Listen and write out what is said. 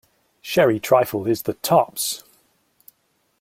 Sherry trifle is the tops!